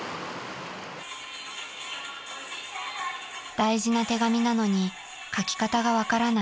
［大事な手紙なのに書き方が分からない］